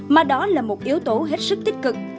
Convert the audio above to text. mà đó là một yếu tố hết sức tích cực